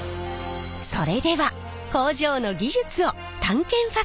それでは工場の技術を探検ファクトリー。